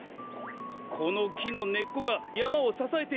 このきのねっこがやまをささえているでやんす。